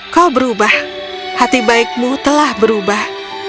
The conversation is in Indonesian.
kau berubah hati baikmu telah berubah